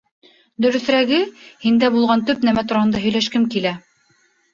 Дөрөҫөрәге, һиндә булған төп нәмә тураһында һөйләшкем килә.